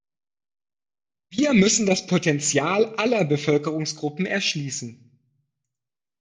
Wir müssen das Potenzial aller Bevölkerungsgruppen erschließen.